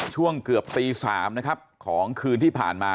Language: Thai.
ช่วงเกือบตี๓นะครับของคืนที่ผ่านมา